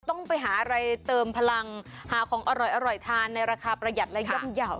ต้องไปหาอะไรเติมพลังหาของอร่อยทานในราคาประหยัดและย่อมเยาว์